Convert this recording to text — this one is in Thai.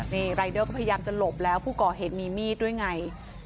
นี่รายเดอร์ก็พยายามจะหลบแล้วผู้ก่อเหตุมีมีดด้วยไง